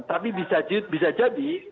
tapi bisa jadi